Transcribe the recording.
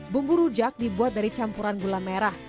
bumbu rujak dibuat dari campuran gula merah